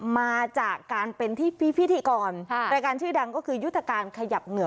มาจากการเป็นที่พิธีกรรายการชื่อดังก็คือยุทธการขยับเหงื่อ